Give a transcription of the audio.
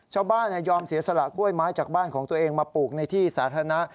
ยอมเสียสละกล้วยไม้จากบ้านของตัวเองมาปลูกในที่สาธารณะ